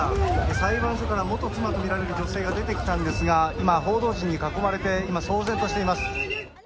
裁判所から元妻と見られる女性が出てきたんですが、今、報道陣に囲まれて、今、騒然としています。